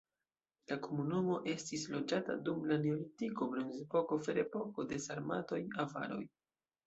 La komunumo estis loĝata dum la neolitiko, bronzepoko, ferepoko, de sarmatoj, avaroj.